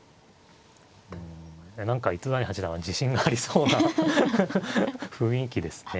何か糸谷八段は自信がありそうな雰囲気ですね。